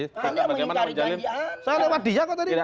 saya lewat dia kok tadi